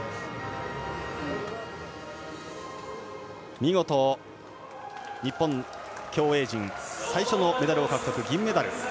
見事、日本競泳陣最初のメダルを獲得、銀メダル。